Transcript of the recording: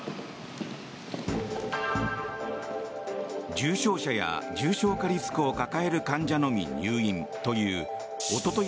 重症者や重症化リスクを抱える患者のみ入院というおととい